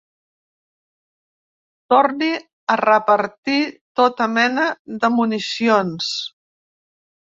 Torni a repartir tota mena de municions.